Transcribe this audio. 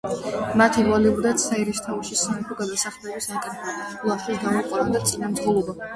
მათ ევალებოდათ საერისთავოში სამეფო გადასახადების აკრეფა, ლაშქრის გამოყვანა და წინამძღოლობა.